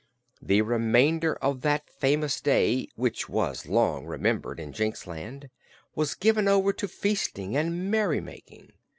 The remainder of that famous day, which was long remembered in Jinxland, was given over to feasting and merrymaking.